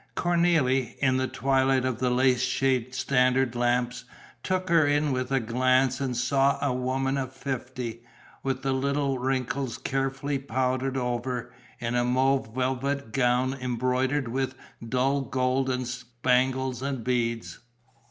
Cornélie, in the twilight of the lace shaded standard lamps, took her in with a glance and saw a woman of fifty, with the little wrinkles carefully powdered over, in a mauve velvet gown embroidered with dull gold and spangles and beads.